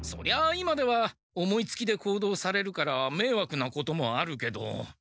今では思いつきで行動されるからめいわくなこともあるけど。